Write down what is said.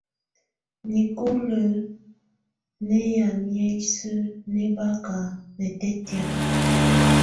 Nikulǝ̀ nɛ̀ yamɛ̀á isǝ́ nɛ̀ baka nɛtɛtɛ̀́́á.